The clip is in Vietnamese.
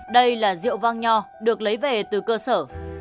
đây là rượu vang nho được lấy về từ cơ sở